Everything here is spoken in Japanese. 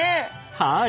はい！